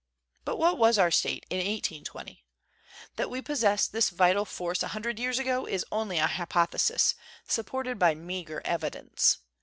But what was our state in 1820? That we possessed this vital force a hundred years ago is only a hypothesis, sup ported by meager evidence.